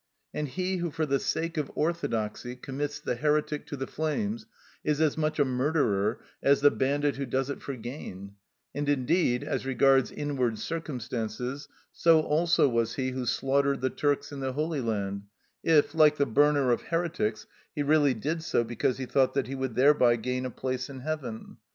And he who for the sake of orthodoxy commits the heretic to the flames is as much a murderer as the bandit who does it for gain; and indeed, as regards inward circumstances, so also was he who slaughtered the Turks in the Holy Land, if, like the burner of heretics, he really did so because he thought that he would thereby gain a place in heaven.